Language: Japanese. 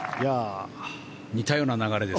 似たような流れです。